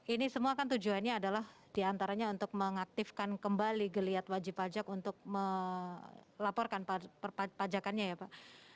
ini semua kan tujuannya adalah diantaranya untuk mengaktifkan kembali geliat wajib pajak untuk melaporkan perpajakannya ya pak